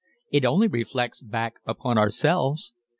It only reflects back upon ourselves.